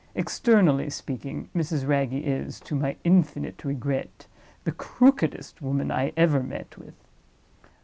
Externally speaking, Mrs. Wragge is, to my infinite regret, the crookedest woman I ever met with.